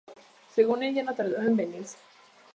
Se trasladó a la escuela de deportes en Jena.